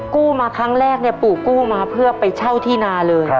กู้มาครั้งแรกเนี่ยปู่กู้มาเพื่อไปเช่าที่นาเลย